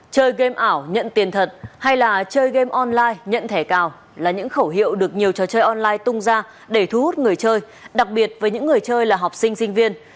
chơi game ảo nhận tiền thật hay là chơi game online nhận thẻ cào là những khẩu hiệu được nhiều trò chơi online tung ra để thu hút người chơi đặc biệt với những người chơi là học sinh sinh viên